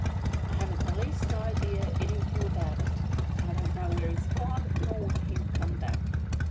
"I haven't the least idea anything about it. I don't know where he's gone, nor when he'll come back."